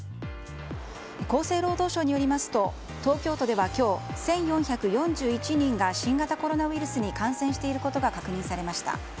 厚生労働省によりますと東京都では今日１４４１人が新型コロナウイルスに感染していることが確認されました。